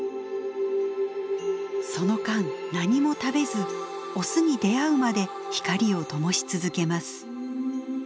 その間何も食べずオスに出会うまで光をともし続けます。